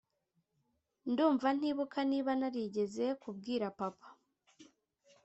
Ndumva ntibuka niba narigeze kubwira papa